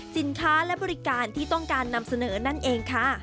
สินค้าและบริการที่ต้องการนำเสนอนั่นเองค่ะ